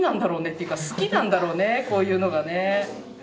っていうか好きなんだろうねこういうのがね。